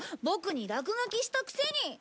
ボクに落書きしたくせに！